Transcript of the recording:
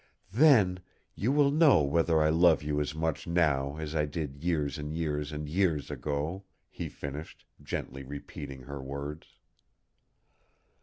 "Then you will know whether I love you as much now as I did years and years and years ago," he finished, gently repeating her words.